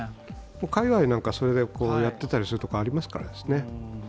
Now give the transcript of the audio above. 海外なんかそれでやっていたりするところがありますからね。